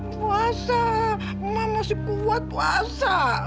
puasa mama masih kuat puasa